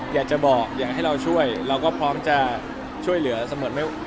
อยากจะบอกอยากให้เราช่วยเราก็พร้อมจะช่วยเหลือเสมอ